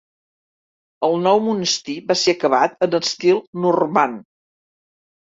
El nou monestir va ser acabat en estil normand.